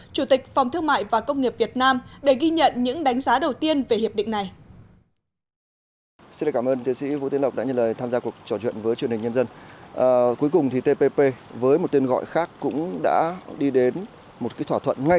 chủ tịch phòng thương mại và công nghiệp việt nam để ghi nhận những đánh giá đầu tiên về hiệp định này